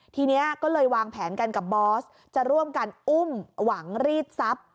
ทีนี้ก็เลยวางแผนกันกับบอสจะร่วมกันอุ้มหวังรีดทรัพย์